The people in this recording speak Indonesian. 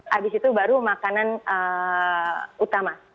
habis itu baru makanan utama